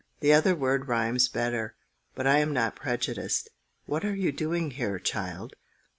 "The other word rhymes better; but I am not prejudiced. What are you doing here, child?"